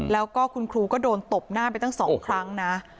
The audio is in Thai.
แล้วก็คุณครูก็โดนตบหน้าไปตั้ง๒ครั้งนะ